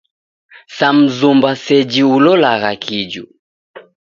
Sa mzumba seji ulolagha kiju.